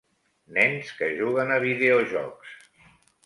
Nens que juguen a videojocs.